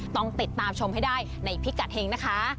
ต้องติดตามชมให้ได้ในพิกัดเฮงนะคะ